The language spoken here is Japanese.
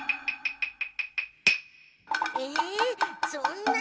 えそんな。